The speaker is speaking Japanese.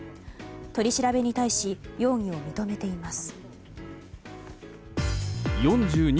取り調べに対し容疑を認めています。